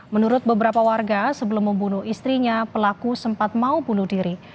menurut beberapa warga sebelum membunuh istrinya pelaku sempat mau bunuh diri